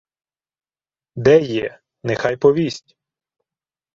— Де є? Нехай повість!